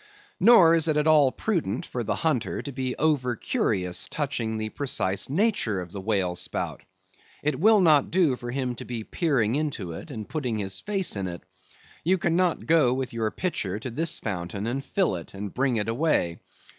Nor is it at all prudent for the hunter to be over curious touching the precise nature of the whale spout. It will not do for him to be peering into it, and putting his face in it. You cannot go with your pitcher to this fountain and fill it, and bring it away.